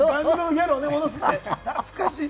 ギャルを戻すというね、懐かしい。